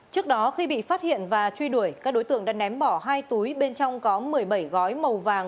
trước đó khi bị phát hiện và truy đuổi các đối tượng đã ném bỏ hai túi bên trong có một mươi bảy gói màu vàng